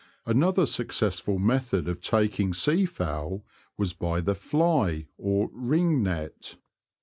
Another successful method of taking seafowl was by the ^^fly" or '^ring" net.